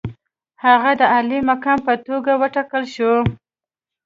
هغه د عالي مقام په توګه وټاکل شو.